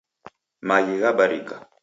Maghi ghabarika